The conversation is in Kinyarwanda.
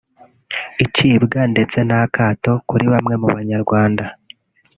icibwa ndetse n’akato kuri bamwe mu Banyarwanda